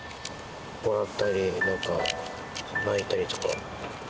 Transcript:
笑ったり、なんか泣いたりとか。